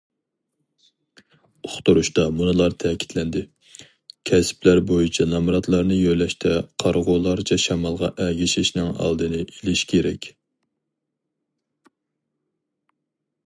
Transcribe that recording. ئۇقتۇرۇشتا مۇنۇلار تەكىتلەندى: كەسىپلەر بويىچە نامراتلارنى يۆلەشتە قارىغۇلارچە شامالغا ئەگىشىشنىڭ ئالدىنى ئېلىش كېرەك.